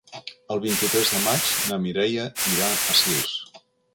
El vint-i-tres de maig na Mireia irà a Sils.